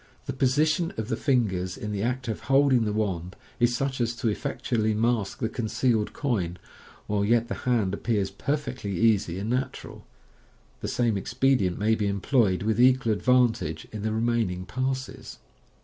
The position of the fingers in the act of hold ing the wand is such as to effectually mask the concealed coin, while yet the hand ap pears perfectly easy and natu ral. The same expedient may be employed with equal advantage in the remaining parses.